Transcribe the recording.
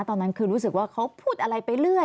ตอนนั้นคือรู้สึกว่าเขาพูดอะไรไปเรื่อย